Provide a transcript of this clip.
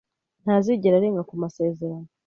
ntazigera arenga ku masezerano.